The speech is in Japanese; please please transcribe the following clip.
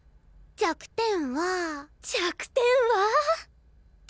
弱点は⁉弱点は！